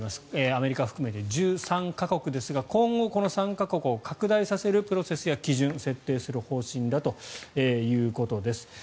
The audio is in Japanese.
アメリカを含めて１３か国ですが今後、この参加国を拡大させる基準やプロセスを設定する方針だということです。